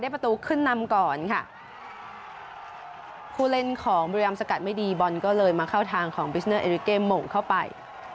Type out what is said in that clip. ผู้เล่นของบริรามสกัดไม่ดีบอลก็เลยมาเข้าทางของบิสเนอร์เอริเกมโหมเข้าไป